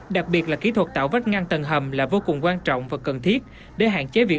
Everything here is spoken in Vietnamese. đặc biệt là kỹ thuật tạo vách ngăn tầng hầm là vô cùng quan trọng và cần thiết để hạn chế việc